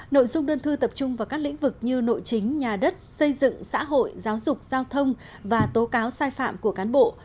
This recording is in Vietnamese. nội dung đơn thư tập trung vào các lĩnh vực như nội chính nhà đất xây dựng xã hội giáo dục giao thông và tố cáo sai phạm của cán bộ